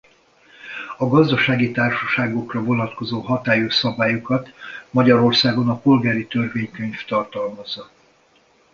A gazdasági társaságokra vonatkozó hatályos szabályokat Magyarországon a Polgári Törvénykönyv tartalmazza.